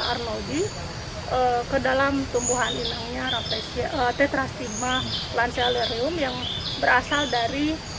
arnoldi ke dalam tumbuhan inangnya raflesia tetrastigma lansialerium yang berasal dari